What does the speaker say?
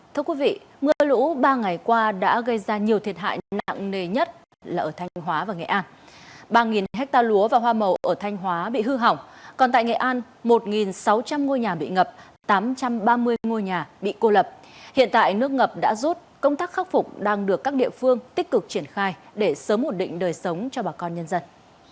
thưa quý vị mưa lũ ba ngày qua đã gây ra nhiều thiệt hại nặng nề nhất là ở thanh hóa và nghệ an ba hecta lúa và hoa màu ở thanh hóa bị hư hỏng còn tại nghệ an một sáu trăm linh ngôi nhà bị ngập tám trăm ba mươi ngôi nhà bị cô lập hiện tại nước ngập đã rút công tác khắc phục đang được các địa phương tích cực triển khai để sớm ổn định đời sống cho bà con nhân dân